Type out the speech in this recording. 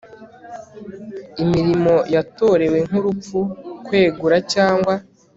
imirimo yatorewe nk urupfu kwegura cyangwa